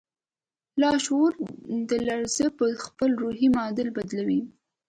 لاشعور دا لړزه پهخپل روحي معادل بدلوي